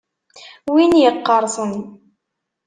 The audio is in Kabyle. Win yeqqerṣen.